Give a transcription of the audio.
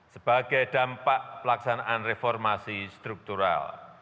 sebagai dampak pelaksanaan reformasi struktural